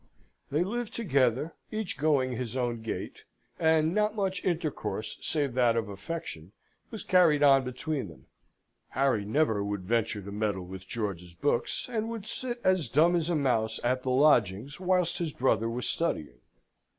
They lived together, each going his own gait; and not much intercourse, save that of affection, was carried on between them. Harry never would venture to meddle with George's books, and would sit as dumb as a mouse at the lodgings whilst his brother was studying.